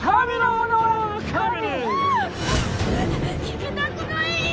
聞きたくない！